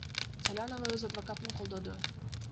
Салянова өз адвокатын колдоду.